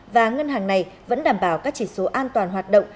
và ngân hàng này vẫn đảm bảo các chỉ số an toàn hoạt động